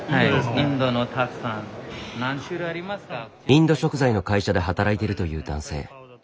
インド食材の会社で働いてるという男性。